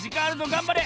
がんばれ！